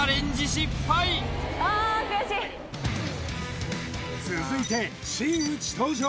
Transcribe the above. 失敗続いて真打ち登場